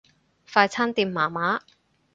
快餐店麻麻